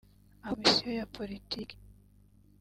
aho Komisiyo ya Politiki